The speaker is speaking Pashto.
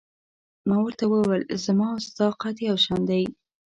ما ورته وویل: زما او ستا قد یو شان دی.